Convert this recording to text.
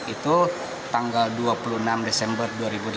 itu tanggal dua puluh enam desember dua ribu delapan belas